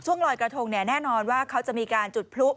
ช่วงลอยกระทงเนี่ยแน่นอนว่าเขาจะมีการจุดพลุ